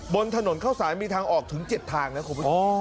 บนถนนเข้าศาลมีทางออกถึงเจ็ดทางนะครับอ๋อ